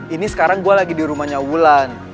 ini sekarang gue lagi di rumahnya wulan